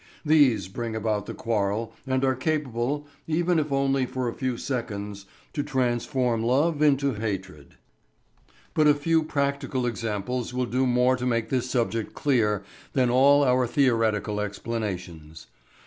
These bring about the quarrel, and are capable, even if only for a few seconds, to transform love into hatred. But a few practical examples will do more to make this subject clear than all our theoretical explanations.